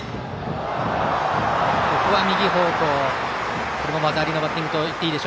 ここは右方向技ありのバッティング。